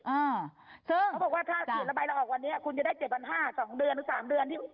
อ่ะซึ่งนะถ้าเขียนใบละออกแบบนี้พี่ก็จะได้๗๕๐๐๒เดือน๓เดือน